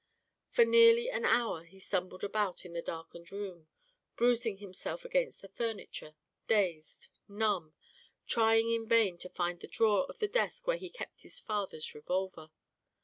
For nearly an hour he stumbled about in the darkened room, bruising himself against the furniture, dazed, numb, trying in vain to find the drawer of the desk where he kept his father's revolver.